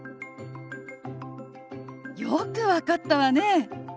よく分かったわね。